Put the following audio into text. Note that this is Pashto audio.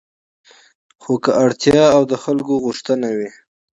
خو که اړتیا او د خلکو غوښتنه وي